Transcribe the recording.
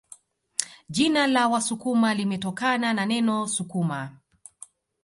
Jina la Wasukuma limetokana na neno sukuma